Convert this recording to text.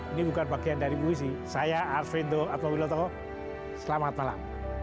ini bukan bagian dari buisi saya arswendo atau wiloto selamat malam